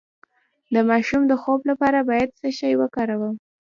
د ماشوم د خوب لپاره باید څه شی وکاروم؟